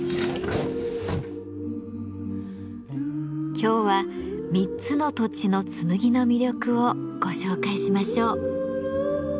今日は３つの土地の紬の魅力をご紹介しましょう。